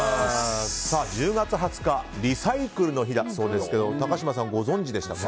１０月２０日リサイクルの日だそうですけど高嶋さん、ご存じでしたか？